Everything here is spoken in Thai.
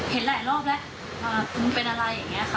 เห็นหลายรอบแล้วมึงเป็นอะไรอย่างนี้ค่ะ